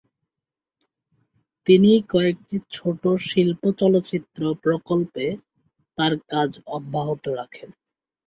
তিনি কয়েকটি ছোট শিল্প চলচ্চিত্র প্রকল্পে তার কাজ অব্যাহত রাখেন।